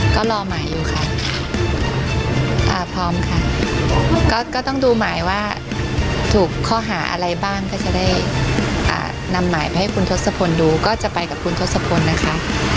ก็รอหมายอยู่ค่ะพร้อมค่ะก็ต้องดูหมายว่าถูกข้อหาอะไรบ้างก็จะได้นำหมายไปให้คุณทศพลดูก็จะไปกับคุณทศพลนะคะ